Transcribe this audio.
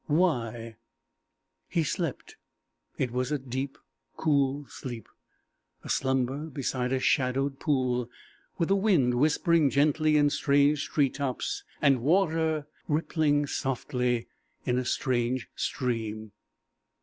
Why?_" He slept. It was a deep, cool sleep; a slumber beside a shadowed pool, with the wind whispering gently in strange tree tops, and water rippling softly in a strange stream.